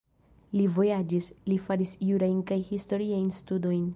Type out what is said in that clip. Li vojaĝis, li faris jurajn kaj historiajn studojn.